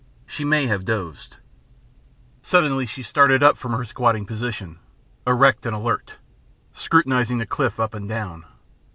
She may have dozed. Suddenly she started up from her squatting position, erect and alert, scrutinising the cliff up and down.